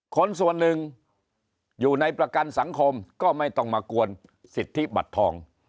คนส่วนหนึ่งอยู่ในประกันสังคมก็ไม่ต้องมากวนสิทธิบัตรทอง